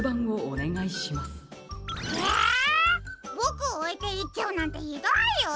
ボクをおいていっちゃうなんてひどいよ！